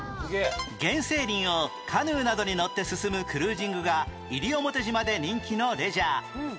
原生林をカヌーなどに乗って進むクルージングが西表島で人気のレジャー